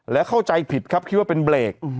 และเข้าใจผิดครับคิดว่าเป็นเบรก